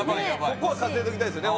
ここは稼いでおきたいですよね